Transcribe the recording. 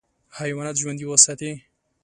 حیوانات ژوندي وساتې.